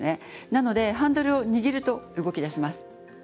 なのでハンドルを握ると動きだします。